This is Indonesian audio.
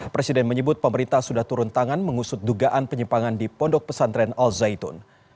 presiden menyebut pemerintah sudah turun tangan mengusut dugaan penyimpangan di pondok pesantren al zaitun